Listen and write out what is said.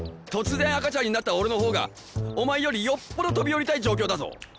突然赤ちゃんになった俺のほうがお前よりよっぽど飛び降りたい状況だぞ！